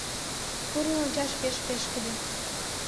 Пурлын ончаш пеш пешкыде